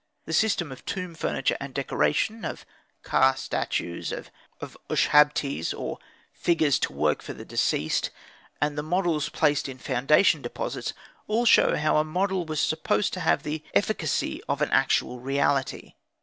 The system of tomb furniture and decoration, of ka statues, of ushabtis or figures to work for the deceased, and the models placed in foundation deposits, all show how a model was supposed to have the efficacy of an actual reality.